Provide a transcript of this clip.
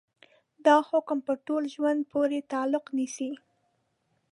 دا حکم په ټول ژوند پورې تعلق نيسي.